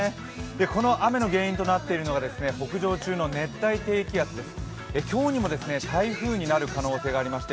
この雨の原因となっているのが北上中の熱帯低気圧です。